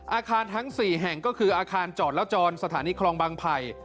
อาคารทั้ง๔แห่งก็คืออาคารจอดละจรสถานีคลองบางไผ่